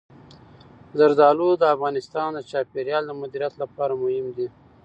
زردالو د افغانستان د چاپیریال د مدیریت لپاره مهم دي.